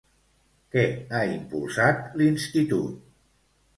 Què ha impulsat l'Institut?